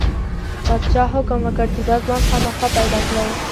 پادشاه حکم وکړ چې دا ځوان خامخا پیدا کړئ.